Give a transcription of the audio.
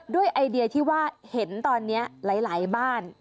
ไอเดียที่ว่าเห็นตอนนี้หลายบ้าน